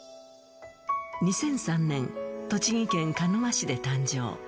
２００３年、栃木県鹿沼市で誕生。